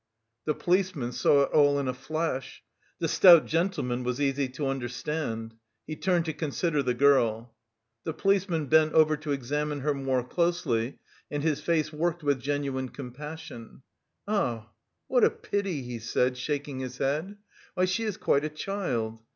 The policeman saw it all in a flash. The stout gentleman was easy to understand, he turned to consider the girl. The policeman bent over to examine her more closely, and his face worked with genuine compassion. "Ah, what a pity!" he said, shaking his head "why, she is quite a child!